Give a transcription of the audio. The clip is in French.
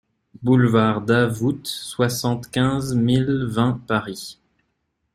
Boulevard Davout, soixante-quinze mille vingt Paris